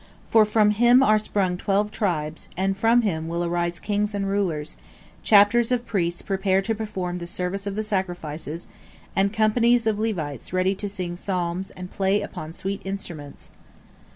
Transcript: For from him are sprung twelve tribes, and from him will arise kings and rulers, chapters of priests prepared to perform the service of the sacrifices, and companies of Levites ready to sing psalms and play upon sweet instruments."